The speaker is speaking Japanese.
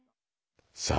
さあ